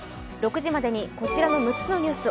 ６時までにこちらの６つのニュース